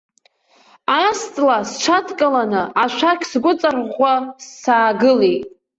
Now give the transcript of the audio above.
Аас-ҵла сҽадкыланы, ашәақь сгәыҵарӷәӷәа саагылеит.